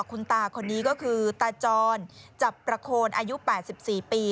คุณตาคนนี้ก็คือตาจรจับประโคนอายุ๘๔ปี